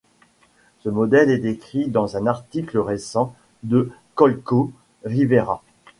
Ce modèle est décrit dans un article récent de Koltko-Rivera.